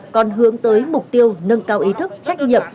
còn hướng tới mục tiêu nâng cao ý thức trách nhiệm